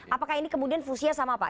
apakah ini kemudian fusia sama pak